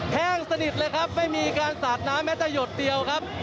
แห้งสนิทเลยครับไม่มีการสาดน้ำแม้แต่หยดเดียวครับ